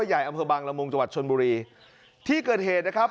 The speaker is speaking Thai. ใหญ่อำเภอบางละมุงจังหวัดชนบุรีที่เกิดเหตุนะครับ